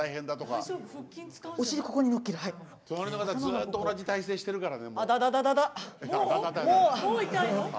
ずっと同じ体勢してるからね。